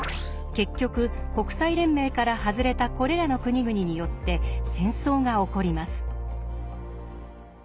結局国際連盟から外れたこれらの国々によって戦争が起こります。